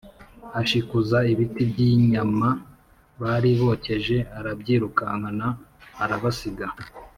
ashikuza ibiti by' inyama bari bokeje, arabyirukankana, arabasiga.